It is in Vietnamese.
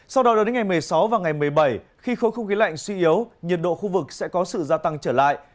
sau đó đến ngày một mươi sáu và ngày một mươi bảy khi khối không khí lạnh suy yếu nhiệt độ khu vực sẽ có sự gia tăng trở lại